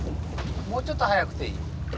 もうちょっと速くていい。